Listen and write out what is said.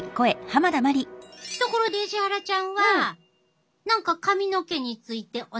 ところで石原ちゃんは何か髪の毛についてお悩みある？